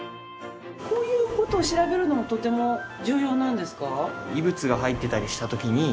こういう事を調べるのもとても重要なんですか？